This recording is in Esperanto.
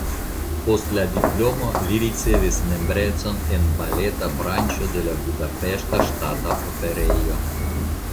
Post la diplomo li ricevis membrecon en baleta branĉo de la Budapeŝta Ŝtata Operejo.